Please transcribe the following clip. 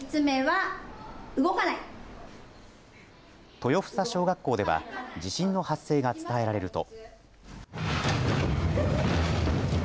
豊房小学校では地震の発生が伝えられると。